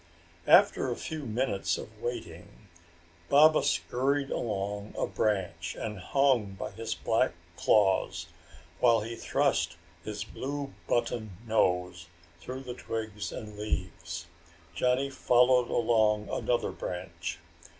After a few minutes of waiting, Baba scurried along a branch and hung by his black claws while he thrust his blue button nose through the twigs and leaves. Johnny followed along another branch.